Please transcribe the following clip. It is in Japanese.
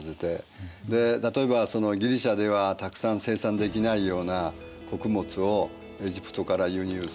例えばギリシアではたくさん生産できないような穀物をエジプトから輸入すると。